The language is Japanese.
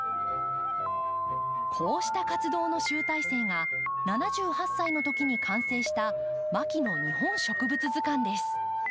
こうした活動の集大成が７８歳のときに完成した「牧野日本植物図鑑」です。